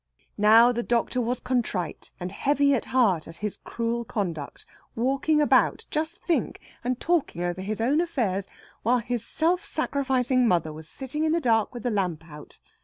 Now the doctor was contrite and heavy at heart at his cruel conduct; walking about just think! and talking over his own affairs while his self sacrificing mother was sitting in the dark, with the lamp out!